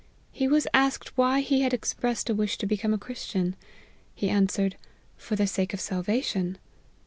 He was asked why he had expressed a wish to become a Christian ? He answered, For the sake of salvation.'